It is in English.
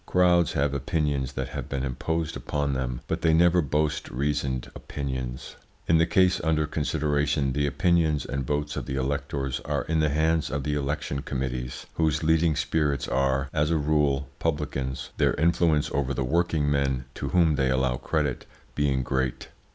Crowds have opinions that have been imposed upon them, but they never boast reasoned opinions. In the case under consideration the opinions and votes of the electors are in the hands of the election committees, whose leading spirits are, as a rule, publicans, their influence over the working men, to whom they allow credit, being great.